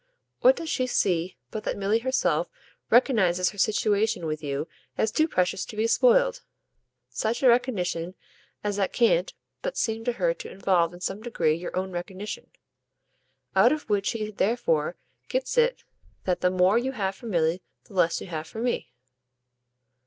What does she see but that Milly herself recognises her situation with you as too precious to be spoiled? Such a recognition as that can't but seem to her to involve in some degree your own recognition. Out of which she therefore gets it that the more you have for Milly the less you have for me."